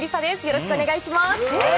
よろしくお願いします。